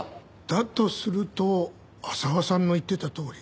だとすると浅輪さんの言ってたとおり。